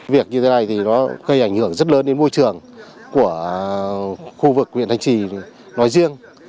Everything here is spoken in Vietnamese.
việc như thế này thì nó gây ảnh hưởng rất lớn đến môi trường của khu vực huyện thanh trì nói riêng